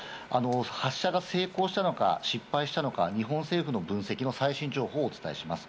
発射が成功したのか、失敗したのか、日本政府の分析の最新情報をお伝えします。